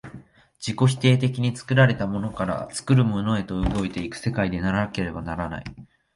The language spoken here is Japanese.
自己否定的に作られたものから作るものへと動いて行く世界でなければならない。